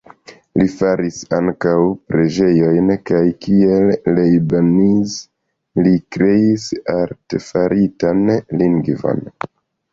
Li faris ankaŭ preĝejojn kaj kiel Leibniz li kreis artefaritan lingvon.